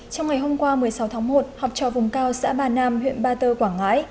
trong ngày hôm qua một mươi sáu tháng một học trò vùng cao xã ba nam huyện ba tơ quảng ngãi